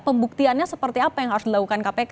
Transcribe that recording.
pembuktiannya seperti apa yang harus dilakukan kpk